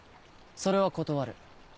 それは断る。